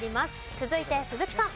続いて鈴木さん。